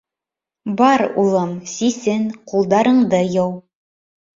Бар, улым, сисен, ҡулдарыңды йыу.